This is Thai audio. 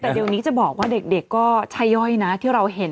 แต่เดี๋ยวนี้จะบอกว่าเด็กก็ใช่ย่อยนะที่เราเห็น